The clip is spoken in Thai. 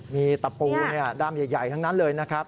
มีตะปูด้ามใหญ่ทั้งนั้นเลยนะครับ